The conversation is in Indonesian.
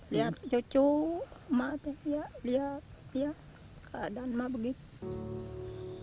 liat cucu ma tuh lihat keadaan ma begitu